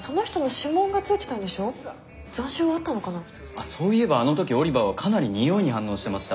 あっそういえばあの時オリバーはかなり匂いに反応してました。